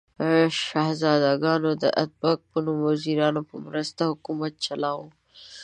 شهزادګانو د اتابک په نوم وزیرانو په مرسته حکومت چلاوه.